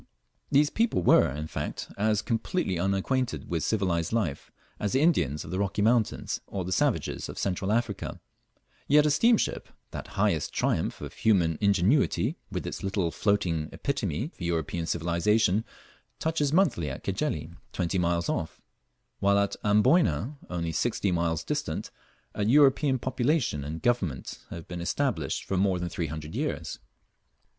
These people were in fact as completely unacquainted with civilized life as the Indians of the Rocky Mountains, or the savages of Central Africa yet a steamship, that highest triumph of human ingenuity, with its little floating epitome of European civilization, touches monthly at Cajeli, twenty miles off; while at Amboyna, only sixty miles distant, a European population and government have been established for more than three hundred years.